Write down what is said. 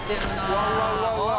うわうわうわうわ！